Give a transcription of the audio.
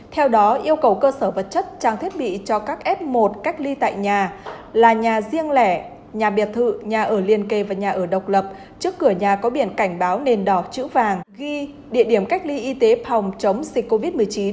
theo đó yêu cầu cơ sở vật chất trang thiết bị cho các f một cách ly tại nhà là nhà riêng lẻ nhà biệt thự nhà ở liên kề và nhà ở độc lập trước cửa nhà có biển cảnh báo nền đỏ chữ vàng ghi địa điểm cách ly y tế phòng chống dịch covid một mươi chín